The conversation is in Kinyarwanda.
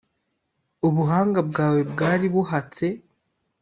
Ubuhanga bwawe bwari buhatse